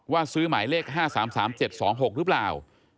ซื้อหมายเลข๕๓๓๗๒๖หรือเปล่า